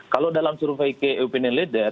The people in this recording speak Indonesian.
kalau dalam survei ke opinion leader